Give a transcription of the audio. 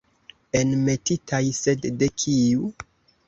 Enmetitaj, sed de kiu?